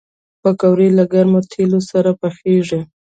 پکورې له ګرم تیلو سره پخېږي